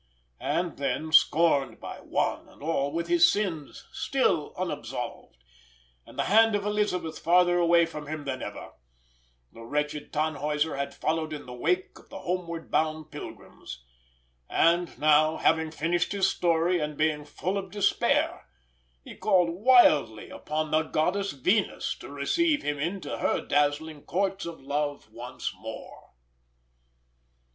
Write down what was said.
And then, scorned by one and all, with his sin still unabsolved, and the hand of Elisabeth farther away from him than ever, the wretched Tannhäuser had followed in the wake of the homeward bound pilgrims: and now, having finished his story, and being full of despair, he called wildly upon the goddess Venus to receive him into her dazzling Courts of Love once more.